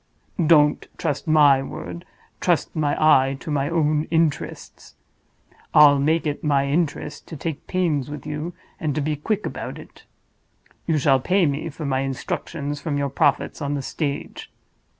Don't trust my word: trust my eye to my own interests. I'll make it my interest to take pains with you, and to be quick about it. You shall pay me for my instructions from your profits on the stage.